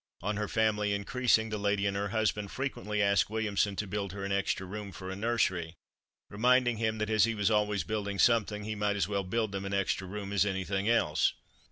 On her family increasing the lady and her husband frequently asked Williamson to build her an extra room for a nursery, reminding him that as he was always building something, he might as well build them an extra room as anything else.